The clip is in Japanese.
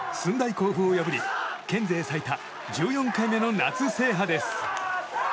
甲府を破り県勢最多１４回目の夏制覇です。